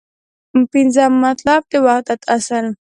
پنځم مطلب : د وحدت اصل